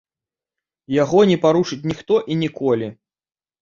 І яго не парушыць ніхто і ніколі.